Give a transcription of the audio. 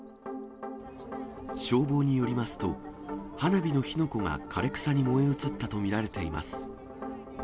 消防によりますと、花火の火の粉が枯れ草に燃え移ったと見られています。